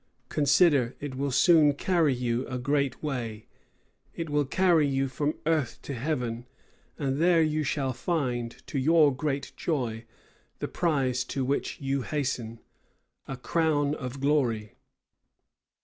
Consider, it will soon carry you a great way; it will carry you from earth to heaven; and there you shall find, to your great joy, the prize to which you hasten, a crown of glory."